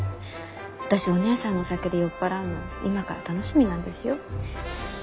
私お義姉さんのお酒で酔っ払うの今から楽しみなんですよ。